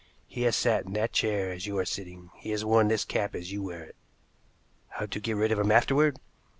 He has sat in that chair as you are sitting, he has worn this cap as you wear it. How to get rid of him afterward?